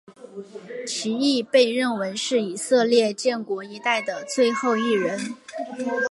其亦被认为是以色列建国一代的最后一人。